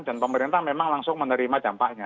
dan pemerintah memang langsung menerima dampaknya